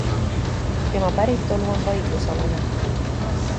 Tema päritolu on vaidlusalune.